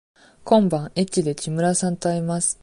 今晩駅で木村さんと会います。